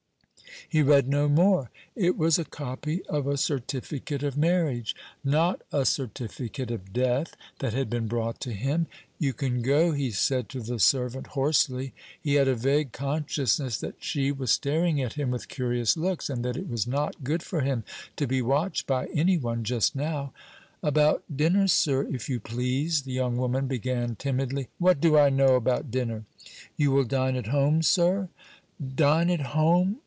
He read no more. It was a copy of a certificate of marriage not a certificate of death that had been brought to him. "You can go," he said to the servant hoarsely. He had a vague consciousness that she was staring at him with curious looks, and that it was not good for him to be watched by any one just now. "About dinner, sir, if you please?" the young woman began timidly. "What do I know about dinner?" "You will dine at home, sir?" "Dine at home?